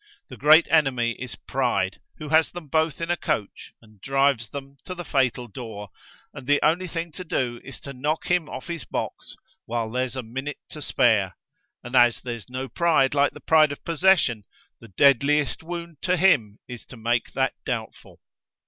The great enemy is Pride, who has them both in a coach and drives them to the fatal door, and the only thing to do is to knock him off his box while there's a minute to spare. And as there's no pride like the pride of possession, the deadliest wound to him is to make that doubtful.